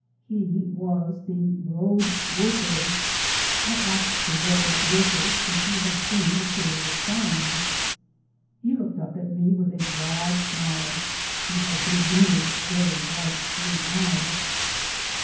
He was the road worker. I asked the road worker if he had seen the curious signs. He looked up at me with a broad smile (he had good humoured, very bright blue eyes).